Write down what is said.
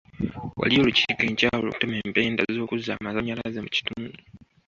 Waliyo olukiiko enkya olw'okutema empenda z'okuzza amasannyalaze mu kitundu.